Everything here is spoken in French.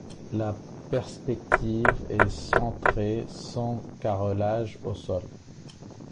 La perspective est centrée sans carrelage au sol.